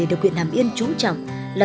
được huyện hàm yên trú trọng là